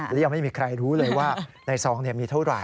และยังไม่มีใครรู้เลยว่าในซองมีเท่าไหร